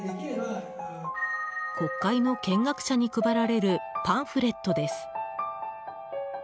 国会の見学者に配られるパンフレットです。